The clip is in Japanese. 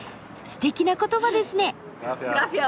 すてきな言葉ですね。